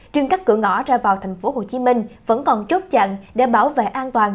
trên các cửa ngõ ra vào tp hcm vẫn còn chốt chặn để bảo vệ an toàn